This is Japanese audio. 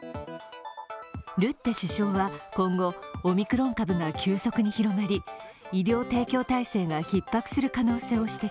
ルッテ首相は、今後、オミクロン株が急速に広がり医療提供体制がひっ迫する可能性を指摘。